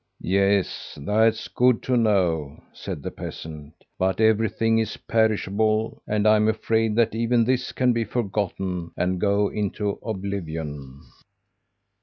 "'Yes, that's good to know,' said the peasant, 'but everything is perishable, and I'm afraid that even this can be forgotten, and go into oblivion.'